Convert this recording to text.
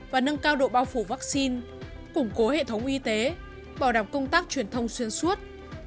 và nâng cao độ bao phủ vaccine củng cố hệ thống y tế bảo đảm công tác truyền thông xuyên suốt